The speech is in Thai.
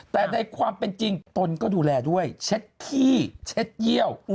แต่ในความเป็นจริงตนก็ดูแลด้วยเช็ดขี้เช็ดเยี่ยว